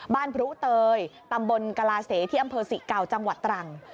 บ้านพรุ๋เตยตำบลกราเสที่อำเภอ๔๙จังหวัดตรัง